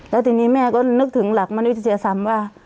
ตอนนี้แม่ก็นึกถึงหลักมันวิทยาศรรพ์